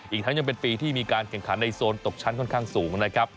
อีกทั้งยังเป็นปีที่มีการแข่งขันในโซนตกชั้นค่อนข้างสูงนะครับ